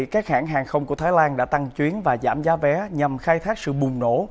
các hãng hàng không của thái lan đã tăng chuyến và giảm giá vé nhằm khai thác sự bùng nổ